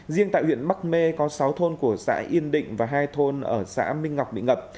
riêng tại huyện bắc mê có sáu thôn của xã yên định và hai thôn ở xã minh ngọc bị ngập